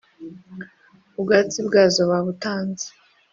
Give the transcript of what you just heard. Ubwatsi bwazo babutanze.